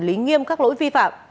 để xử lý nghiêm các lỗi vi phạm